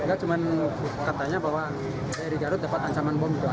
enggak cuma katanya bahwa bri garut dapat ancaman bom itu lagi